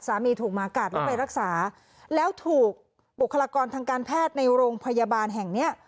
ถูกหมากัดแล้วไปรักษาแล้วถูกบุคลากรทางการแพทย์ในโรงพยาบาลแห่งเนี้ย